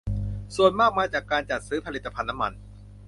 ส่วนใหญ่มาจากการจัดซื้อผลิตภัณฑ์น้ำมัน